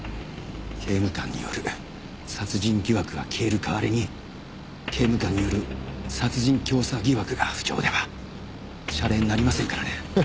刑務官による殺人疑惑が消える代わりに刑務官による殺人教唆疑惑が浮上ではシャレになりませんからね。